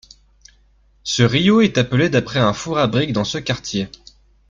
Ce rio est appelé d'après un four à briques dans ce quartier.